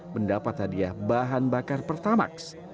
mendapat hadiah bahan bakar per tamak